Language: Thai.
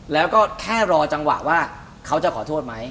แล้วก็แค่รอจังหวะว่าเขาจะขอโทษไหม